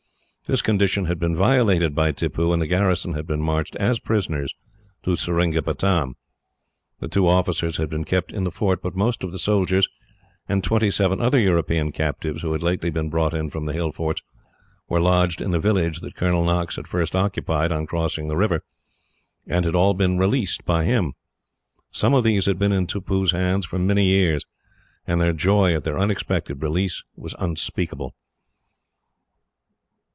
This condition had been violated by Tippoo, and the garrison had been marched, as prisoners, to Seringapatam. The two officers had been kept in the fort, but most of the soldiers, and twenty seven other European captives who had lately been brought in from the hill forts, were lodged in the village that Colonel Knox had first occupied, on crossing the river, and had all been released by him. Some of these had been in Tippoo's hands for many years, and their joy at their unexpected release was unspeakable.